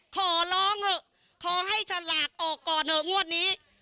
ขอร้องเถอะขอให้ฉลากออกก่อนเถอะงวดนี้